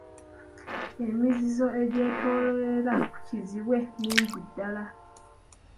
Emizizo egyetooloolera ku Kizibwe mingi ddala.